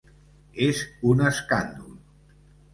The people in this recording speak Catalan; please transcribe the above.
És un escàndol.